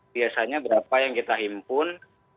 biasanya berapa yang kita himpun